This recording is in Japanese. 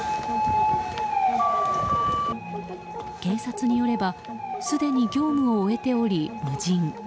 警察によればすでに業務を終えており、無人。